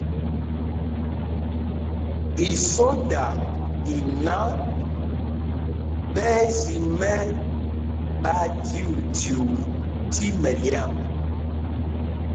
Isoda iná ɓɛ́ ɛ́ zi mɛ̄t ɓáájyuujyuu tí mɛlyam.